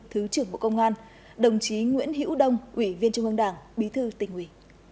thứ trưởng bộ công an đồng chí nguyễn hữu đông ủy viên trung ương đảng bí thư tỉnh ủy